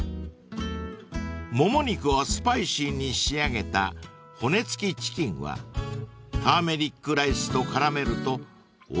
［もも肉をスパイシーに仕上げた骨付きチキンはターメリックライスと絡めるとおいしさが倍増するそうです］